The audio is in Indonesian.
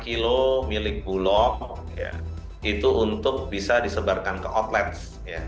lima kilo milik bulog itu untuk bisa disebarkan ke outlets